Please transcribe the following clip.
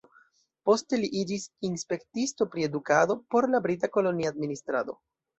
Poste li iĝis inspektisto pri edukado por la brita kolonia administrado.